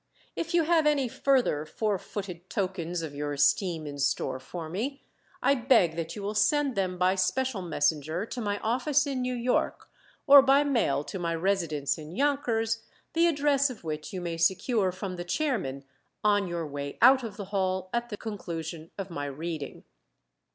If you have any further four footed tokens of your esteem in store for me, I beg that you will send them by special messenger to my office in New York, or by mail to my residence in Yonkers, the address of which you may secure from the chairman on your way out of the hall at the conclusion of my reading."